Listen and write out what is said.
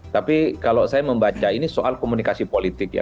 tapi kalau saya membaca ini soal komunikasi politik ya